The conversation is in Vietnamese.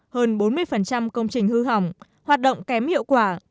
hơn bốn mươi công trình hư hỏng hoạt động kém hiệu quả